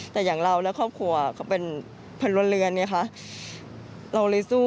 แต่อย่างเราแล้วครอบครัวเขาเป็นพลเรือนเราก็เลยสู้